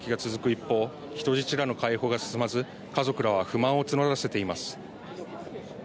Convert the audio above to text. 一方人質らの解放が進まず家族らは不満を募らせています。